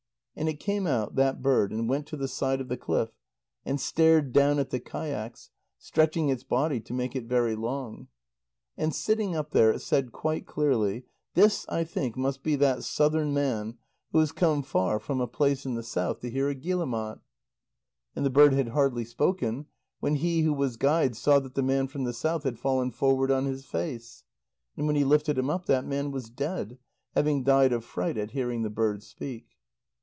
And it came out, that bird, and went to the side of the cliff and stared down at the kayaks, stretching its body to make it very long. And sitting up there, it said quite clearly: "This, I think, must be that southern man, who has come far from a place in the south to hear a guillemot." And the bird had hardly spoken, when he who was guide saw that the man from the south had fallen forward on his face. And when he lifted him up, that man was dead, having died of fright at hearing the bird speak.